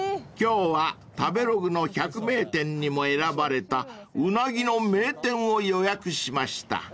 ［今日は食べログの百名店にも選ばれたウナギの名店を予約しました］